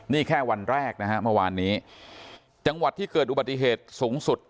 นี่แค่วันแรกนะฮะเมื่อวานนี้จังหวัดที่เกิดอุบัติเหตุสูงสุด